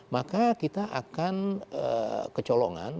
maka kita akan kecolongan